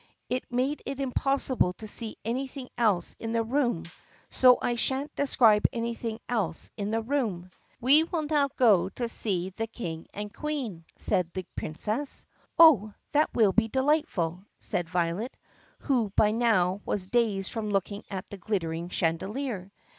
It made it impossible to see anything else in the room (so I sha'n't describe anything else in the room) . "We will now go to see the King and Queen," said the Princess. "Oh, that will be delightful!" said Violet, who by now was dazed from looking at the glittering chandelier.